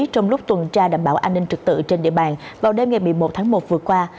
trong lúc tuần tra đảm bảo an ninh trực tự trên địa bàn vào đêm ngày một mươi một tháng một vừa qua